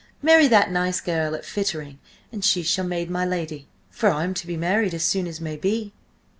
Marry that nice girl at Fittering, and she shall maid my lady. For I'm to be married as soon as may be!"